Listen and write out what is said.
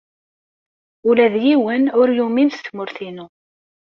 Ula d yiwen ur yumin s tmurt-inu.